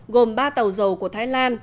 gồm ba tàu dầu của thái lan